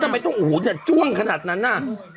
ทำไมต้องโหจ้วงขนาดนั้นน่ะ